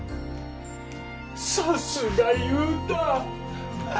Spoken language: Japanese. さすが勇太！